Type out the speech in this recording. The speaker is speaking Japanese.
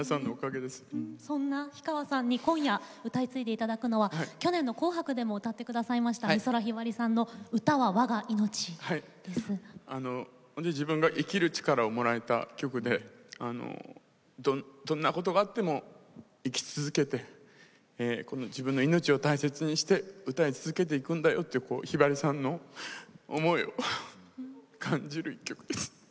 そんな氷川さんに今夜歌い継いでいただくのは去年の「紅白」でも歌われた美空ひばりさんの自分の生きる力をもらえた曲でどんなことがあっても生き続けて自分の命を大切にして歌い続けていくんだよとひばりさんを感じる曲です。